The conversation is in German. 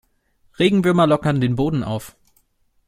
Regenwürmer lockern den Boden auf.